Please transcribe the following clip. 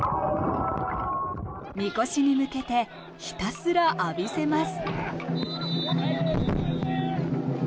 みこしに向けてひたすら浴びせます。